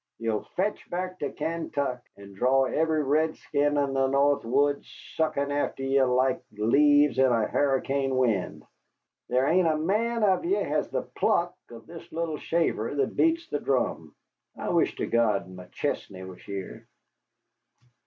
Ye'll fetch back to Kaintuck, and draw every redskin in the north woods suckin' after ye like leaves in a harricane wind. There hain't a man of ye has the pluck of this little shaver that beats the drum. I wish to God McChesney was here."